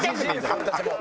俺たちもう。